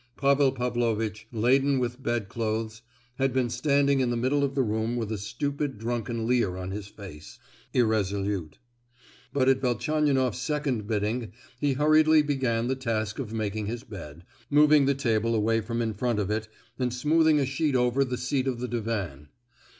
Pavel Pavlovitch laden with bed clothes had been standing in the middle of the room with a stupid drunken leer on his face, irresolute; but at Velchaninoff's second bidding he hurriedly began the task of making his bed, moving the table away from in front of it, and smoothing a sheet over the seat of the divan.